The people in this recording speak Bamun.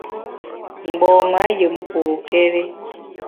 Mgbom-a yùm pôkéri.